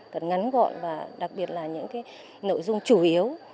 rất là ngắn gọn và đặc biệt là những cái nội dung chủ yếu